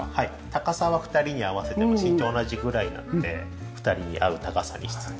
高さは２人に合わせて身長同じぐらいなので２人に合う高さにしつつ。